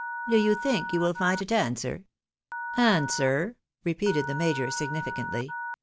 Do you think you will find it answer ?"" Answer ?" repeated the major, significantly.